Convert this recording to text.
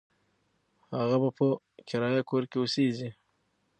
هغه به په کرایه کور کې اوسیږي.